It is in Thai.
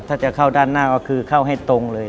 ถ้าจะเข้าด้านหน้าก็คือเข้าให้ตรงเลย